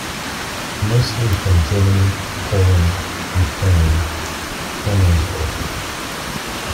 Mostly from Germany, Poland, Ukraine, Koningsberg.